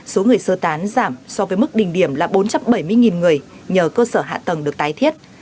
số người sơ tán giảm so với mức đỉnh điểm là bốn trăm bảy mươi người nhờ cơ sở hạ tầng được tái thiết